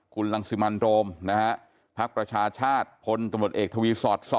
คุณรังสิมันโรมนะฮะพักประชาชาติพลตำรวจเอกทวีสอด๒